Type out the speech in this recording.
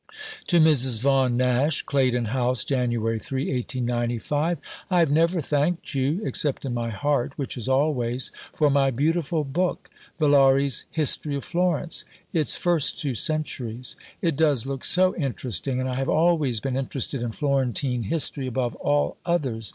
(To Mrs. Vaughan Nash.) CLAYDON HOUSE, Jan. 3 . I have never thanked you, except in my heart, which is always, for my beautiful book Villari's History of Florence: its first two centuries. It does look so interesting, and I have always been interested in Florentine history above all others.